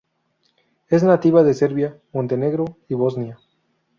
Es nativa de Serbia, Montenegro y Bosnia.